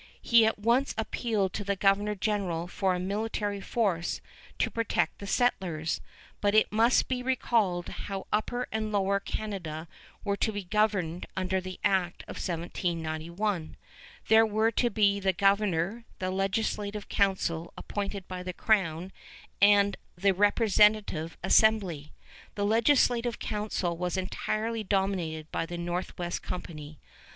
He at once appealed to the Governor General for a military force to protect the settlers, but it must be recalled how Upper and Lower Canada were to be governed under the Act of 1791. There were to be the governor, the legislative council appointed by the crown, and the representative assembly. The legislative council was entirely dominated by the Northwest Company.